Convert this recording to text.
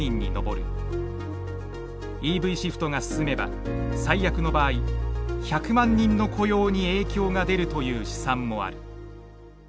ＥＶシフトが進めば最悪の場合１００万人の雇用に影響が出るという試算もある。